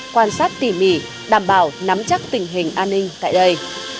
quan sát tỉ mỉ đảm bảo nắm chắc tình hình an ninh tại đây